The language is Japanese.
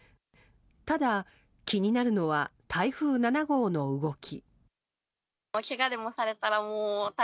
ただ、気になるのは台風７号の動き。